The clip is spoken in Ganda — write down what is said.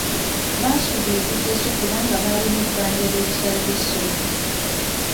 Baasubwa ebigezo kubanga baalina ebbanja ly'ebisale by'essomero.